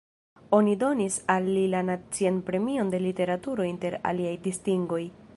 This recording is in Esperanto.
Oni donis al li la Nacian Premion de Literaturo inter aliaj distingoj.